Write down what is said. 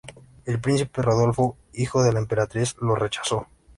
El príncipe Rodolfo, hijo de la Emperatriz, lo rechazó.